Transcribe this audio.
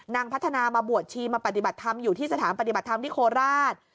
นางพัฒนามาบวชชีมาปฏิบัติธรรมอยู่ที่สถานปฏิบัติธรรมที่โคราช